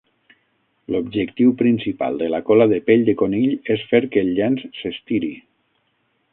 L'objectiu principal de la cola de pell de conill és fer que el llenç s'estiri.